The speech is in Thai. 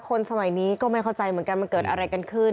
คนสมัยนี้ก็ไม่เข้าใจเหมือนกันมันเกิดอะไรกันขึ้น